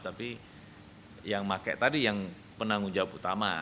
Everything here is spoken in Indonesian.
tapi yang pakai tadi yang penanggung jawab utama